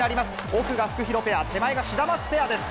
奥がフクヒロペア、手前がシダマツペアです。